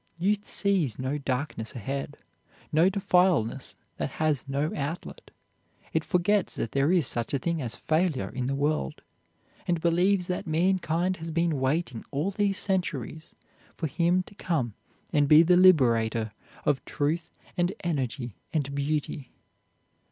Youth sees no darkness ahead, no defile that has no outlet, it forgets that there is such a thing as failure in the world, and believes that mankind has been waiting all these centuries for him to come and be the liberator of truth and energy and beauty.